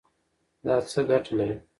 دا څه ګټه لري؟